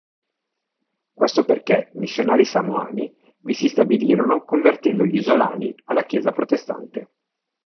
Questo perché missionari samoani vi si stabilirono convertendo gli isolani alla chiesa protestante.